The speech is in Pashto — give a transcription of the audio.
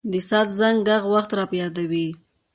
د ساعت زنګ ږغ وخت را په یادوي.